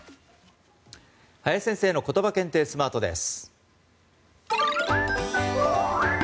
林先生のことば検定スマートです。